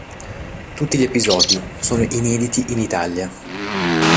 Tutti gli episodi sono inediti in Italia.